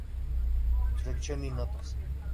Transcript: Introducción y Notas.